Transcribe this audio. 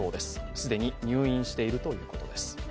既に入院しているということです。